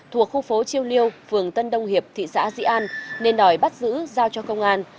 thuộc khu phố chiêu liêu phường tân đông hiệp thị xã di an nên đòi bắt giữ giao cho công an